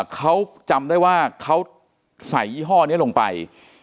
เขาจำได้ว่าเขาใส่ยี่ห้อนี้ลงไป